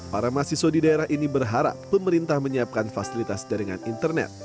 para mahasiswa di daerah ini berharap pemerintah menyiapkan fasilitas jaringan internet